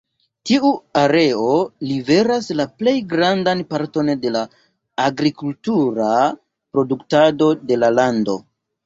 Tiu areo liveras la plej grandan parton de la agrikultura produktado de la lando.